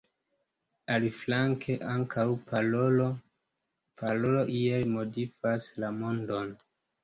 Aliflanke ankaŭ parolo iel modifas la mondon.